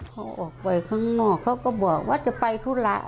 เขาออกไปข้างนอกเขาก็บอกว่าจะไปธุระ